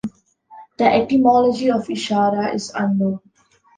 The etymology of Ishara is unknown.